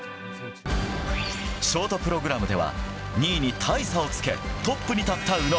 ショートプログラムでは、２位に大差をつけトップに立った宇野。